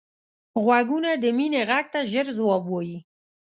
غوږونه د مینې غږ ته ژر ځواب وايي